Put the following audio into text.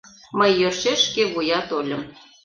Мый йӧршеш шкевуя тольым.